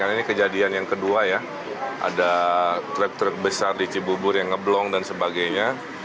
ini kejadian yang kedua ya ada truk truk besar di cibubur yang ngeblong dan sebagainya